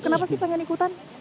kenapa sih pengen ikutan